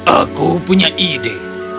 aku punya ide